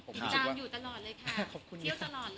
ติดตามอยู่ตลอดเลยค่ะ